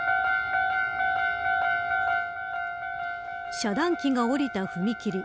遮断機が降りた踏切。